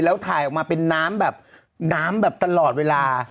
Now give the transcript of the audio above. แล้วถ่ายออกมาเป็นน้ำแบบน้ำแบบตลอดเวลา